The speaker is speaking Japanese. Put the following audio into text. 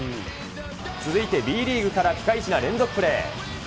続いてＢリーグからピカイチな連続プレー。